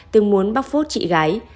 từng muốn bóc phốt chị gái